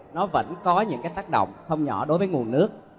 nó vẫn có những cái tác động không nhỏ đối với nguồn nước